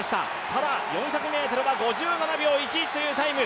ただ、４００ｍは５７秒１１というタイム。